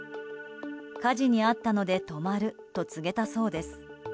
火事に遭ったので泊まると告げたそうです。